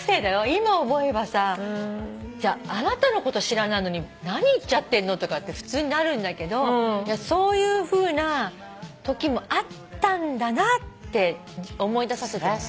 今思えばさあなたのこと知らないのに何言ってんのってなるんだけどそういうときもあったんだなって思い出させてもらった。